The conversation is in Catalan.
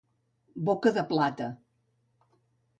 Boca de plata.